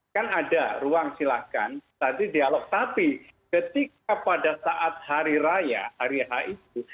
kan ada ruang silahkan tadi dialog tapi ketika pada saat hari raya hari h itu